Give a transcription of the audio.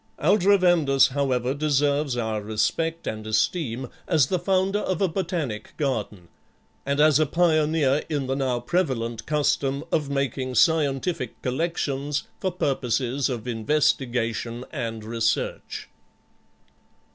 Aldrovandus, however, deserves our respect and esteem as the founder of a botanic garden, and as a pioneer in the now prevalent custom of making scientific collections for purposes of investigation and research.